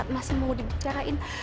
masih mau dibicarain